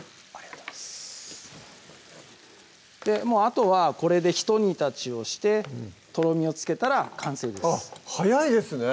もうあとはこれでひと煮立ちをしてとろみをつけたら完成ですあっ早いですね